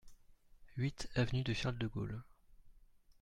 huit avenue de Charles De Gaulle